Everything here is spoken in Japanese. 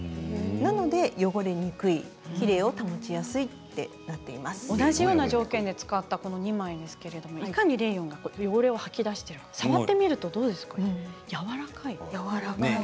なので汚れにくいきれいを保ち同じような条件で使ったこの２枚ですけどいかにレーヨンが汚れをはき出しているか触ってみると、やわらかい。